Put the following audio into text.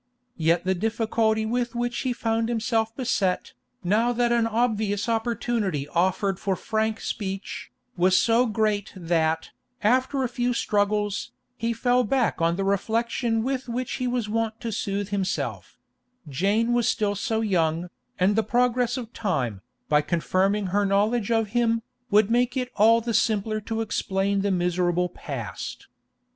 Yet the difficulty with which he found himself beset, now that an obvious opportunity offered for frank speech, was so great that, after a few struggles, he fell back on the reflection with which he was wont to soothe himself: Jane was still so young, and the progress of time, by confirming her knowledge of him, would make it all the simpler to explain the miserable past.